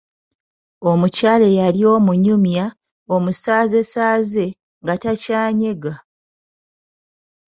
Omukyala eyali omunyumya, omusaazesaaze, nga takyanyega.